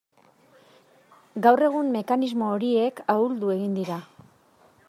Gaur egun mekanismo horiek ahuldu egin dira.